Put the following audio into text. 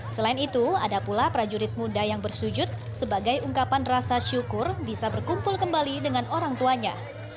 selain itu ada pula prajurit muda yang bersujud sebagai ungkapan rasa syukur bisa berkumpul kembali dengan orang tuanya